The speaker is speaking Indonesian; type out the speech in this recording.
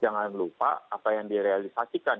jangan lupa apa yang direalisasikan